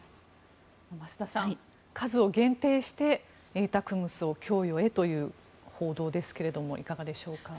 増田さん、数を限定してＡＴＡＣＭＳを供与へという報道ですがいかがでしょうか。